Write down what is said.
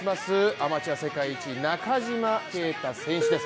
アマチュア世界一中島啓太選手です